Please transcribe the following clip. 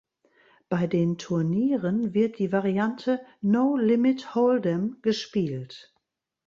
Bei den Turnieren wird die Variante "No Limit Hold’em" gespielt.